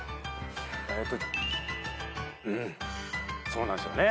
うんそうなんですよね。